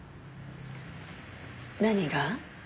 何が？